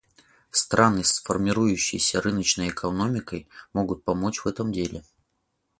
Страны с формирующейся рыночной экономикой могут помочь в этом деле.